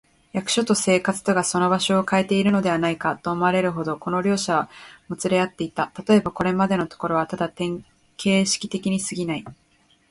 役所と生活とがその場所をかえているのではないか、と思われるほど、この両者はもつれ合っていた。たとえば、これまでのところはただ形式的にすぎない、